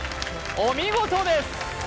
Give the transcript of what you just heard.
お見事です